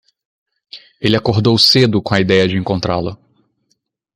Ele acordou cedo com a ideia de encontrá-lo.